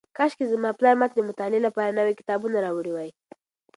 کاشکې زما پلار ماته د مطالعې لپاره نوي کتابونه راوړي وای.